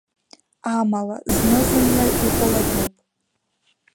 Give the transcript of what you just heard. Амала, зны-зынла икәалатәуп…